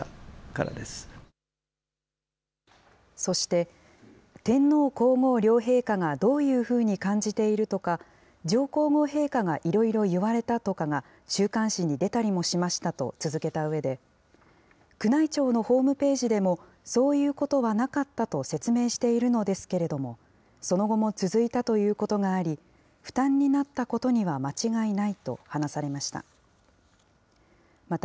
そして、天皇皇后両陛下がどういうふうに感じているとか、上皇后陛下がいろいろ言われたとかが週刊誌に出たりもしましたと続けたうえで、宮内庁のホームページでもそういうことはなかったと説明しているのですけれども、その後も続いたということがあり、負担になったことには間違いないと話されました。